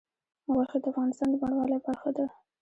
غوښې د افغانستان د بڼوالۍ برخه ده.